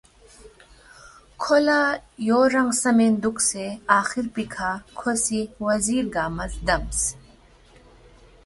کھو لہ یو رنگ خسمین دُوکسے آخر پیکھہ کھو سی وزیر گنگمہ زدمس